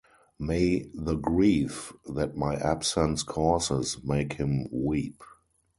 May the grief that my absence causes make him weep.